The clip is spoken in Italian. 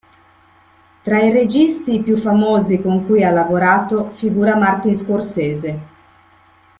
Tra i registi più famosi con cui ha lavorato, figura Martin Scorsese.